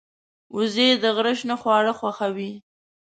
وزې د غره شنه خواړه خوښوي